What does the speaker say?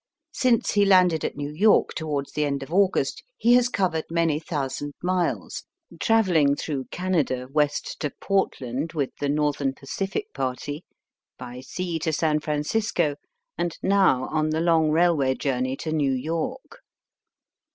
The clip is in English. Since he landed at New York towards the end of August he has covered many thousand miles, travelling through Canada West to Portland with the Northern Pacific party, by sea to San Francisco, and now on the long railway journey to New York.